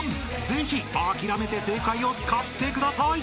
ぜひ『諦めて正解』を使ってください］